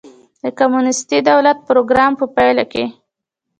د کمونېستي دولت پروګرام په پایله کې.